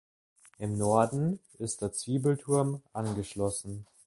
Im Norden ist der Zwiebelturm angeschlossen.